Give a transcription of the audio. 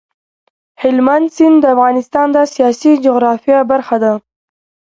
هلمند سیند د افغانستان د سیاسي جغرافیه برخه ده.